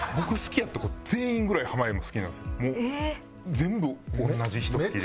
全部同じ人好きで。